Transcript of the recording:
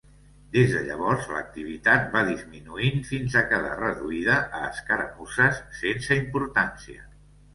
Des de llavors l'activitat va disminuint fins a quedar reduïda a escaramusses sense importància.